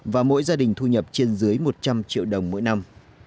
và mỗi gia đình thu nhập trên dưới một trăm linh triệu đồng mỗi năm